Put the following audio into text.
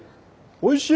おいしい。